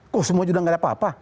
kok semua sudah nggak ada apa apa